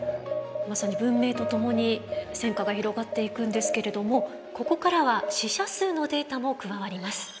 まさに文明とともに戦火が広がっていくんですけれどもここからは死者数のデータも加わります。